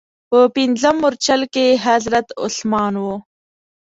په پنځم مورچل کې حضرت عثمان و.